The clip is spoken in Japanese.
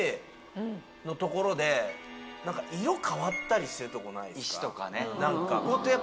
Ａのところで色変わったりしてるとこないですか？